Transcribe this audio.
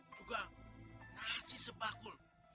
juga nasi sepakul